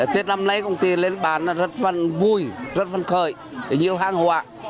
tết năm nay công ty lên bán rất vui rất phấn khởi nhiều hàng hóa